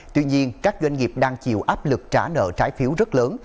tuy nhiên các doanh nghiệp đang chịu áp lực trả nợ trái phiếu rất lớn